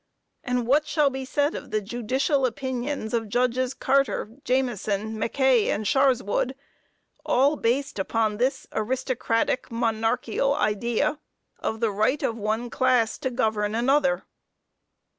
And what shall be said of the judicial opinions of Judges Carter, Jameson, McKay and Sharswood, all based upon this aristocratic, monarchial idea, of the right of one class to govern another?